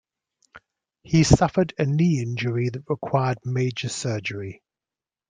He suffered a knee injury that required major surgery.